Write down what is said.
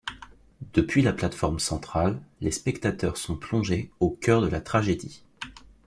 Depuis la plateforme centrale, les spectateurs sont plongés au cœur de la tragédie.